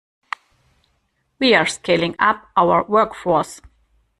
We are scaling up our workforce.